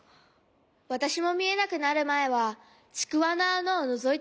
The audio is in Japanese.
わたしもみえなくなるまえはちくわのあなをのぞいてるかんじだった。